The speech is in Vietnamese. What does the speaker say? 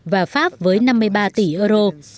và pháp với năm mươi ba tỷ euro